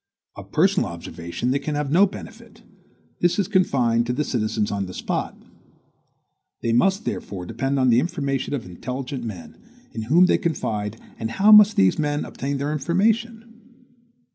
Of personal observation they can have no benefit. This is confined to the citizens on the spot. They must therefore depend on the information of intelligent men, in whom they confide; and how must these men obtain their information?